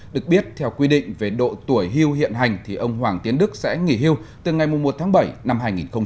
được biết theo quy định về độ tuổi hưu hiện hành thì ông hoàng tiến đức sẽ nghỉ hưu từ ngày một tháng bảy năm hai nghìn hai mươi